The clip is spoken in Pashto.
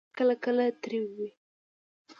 پنېر کله کله تریو وي.